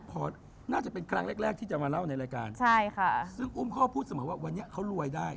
พอน่าจะเป็นครั้งแรกแรกที่จะมาเล่าในรายการใช่ค่ะซึ่งอุ้มเขาก็พูดเสมอว่าวันนี้เขารวยได้